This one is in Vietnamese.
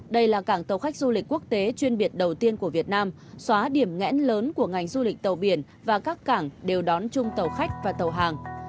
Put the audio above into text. đây là cảng tàu khách du lịch quốc tế chuyên biệt đầu tiên của việt nam xóa điểm nghẽn lớn của ngành du lịch tàu biển và các cảng đều đón chung tàu khách và tàu hàng